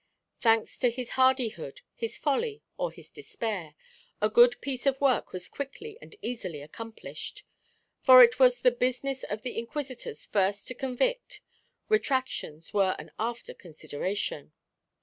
Thanks to his hardihood, his folly, or his despair, a good piece of work was quickly and easily accomplished. For it was the business of the Inquisitors first to convict; retractations were an after consideration.